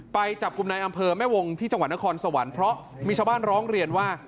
ไปจับกลุ่มในอำเภอแม่วงที่จังหวัดนครสวรรค์เพราะมีชาวบ้านร้องเรียนว่า